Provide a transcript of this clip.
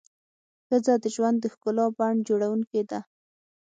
ښځه د ژوند د ښکلا بڼ جوړونکې ده.